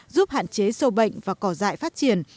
giúp hạn chế sâu bệnh và cỏ dại phát triển